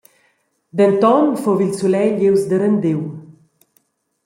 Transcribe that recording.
Denton fuva il sulegl ius da rendiu.